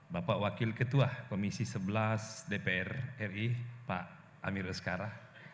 bapak wakil ketua komisi sebelas dpr ri pak amir uskara